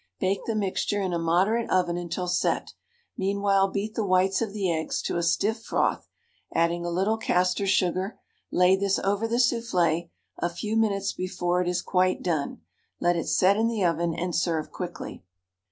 Bake the mixture in a moderate oven until set; meanwhile beat the whites of the eggs to a stiff froth, adding a little castor sugar, lay this over the soufflé a few minutes before it is quite done, let it set in the oven, and serve quickly.